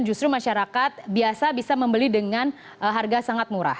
justru masyarakat biasa bisa membeli dengan harga sangat murah